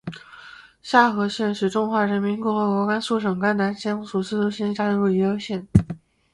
夏河县是中华人民共和国甘肃省甘南藏族自治州下属的一个县。